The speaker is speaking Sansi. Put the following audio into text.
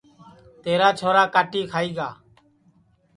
تیرا چھورا کاٹی کھائی گا